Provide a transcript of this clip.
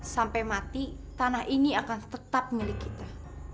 sampai mati tanah ini akan tetap milik kita